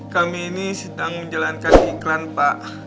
kami ini sedang menjalankan iklan pak